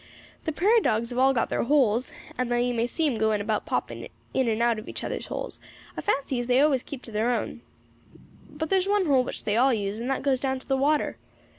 The prairie dogs have all got their holes, and though you may see 'em going about popping in and out of each other's houses, I fancy as they always keep to their own. But there's one hole which they all use, and that goes down to the water.